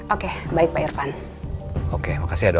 oke baik pak irvan oke makasih ya dok